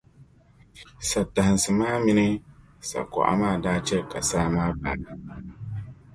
satahinsi maa mini sakuɣa maa daa chɛ, ka saa maa baai.